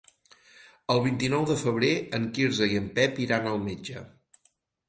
El vint-i-nou de febrer en Quirze i en Pep iran al metge.